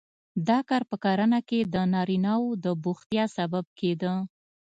دا کار په کرنه کې د نارینه وو د بوختیا سبب کېده